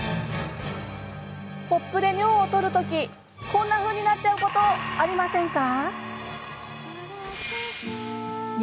コップで尿を採るときこんなふうになっちゃうことありませんか？